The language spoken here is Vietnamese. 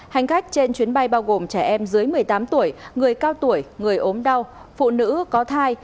hành khách trên chuyến bay bao gồm trẻ em dưới một mươi tám tuổi người cao tuổi người ốm đau phụ nữ có thai